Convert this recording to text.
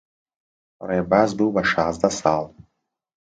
ڕێباز بوو بە شازدە ساڵ.